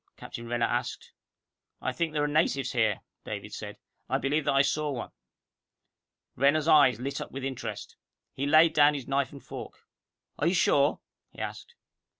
Captain Renner asked. "I think there are natives here," David said. "I believe that I saw one." Renner's eyes lit up with interest. He laid down his knife and fork. "Are you sure?" he asked.